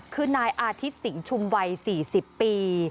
คือนายอาทิตย์สิงหุมวัย๔๐ปี